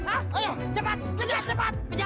ayo cepet kejar